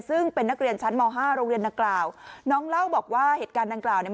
ซึ่งเป็นนักเรียนชั้นมห้าโรงเรียนดังกล่าวน้องเล่าบอกว่าเหตุการณ์ดังกล่าวเนี่ย